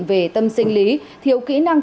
về tâm sinh lý thiếu kỹ năng